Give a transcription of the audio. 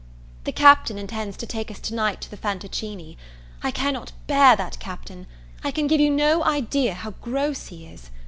The Captain intends to take us to night to the Fantoccini. I cannot bear that Captain; I can give you no idea how gross he is.